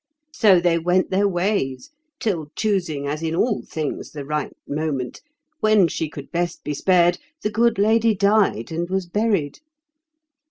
So they went their ways; till, choosing as in all things the right moment, when she could best be spared, the good lady died and was buried.